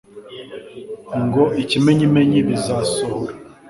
ngo ikimenyimenyi bizasohora